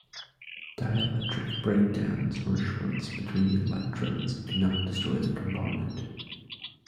Dielectric breakdowns or shorts between the electrodes do not destroy the component.